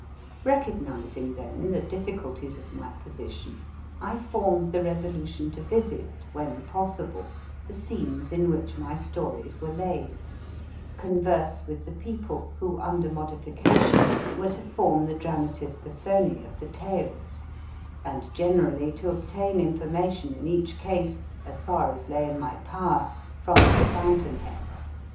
Recognising, then, the difficulties of my position, I formed the resolution to visit when possible the scenes in which my stories were laid ; converse with the people who, under &. M. BALLANTYNE 59 modification, were to form the dramatis persona of the tales, and, generally, to obtain information in each case, as far as lay in my power, from the fountain head.